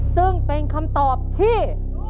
ซึ่งเป็นคำตอบที่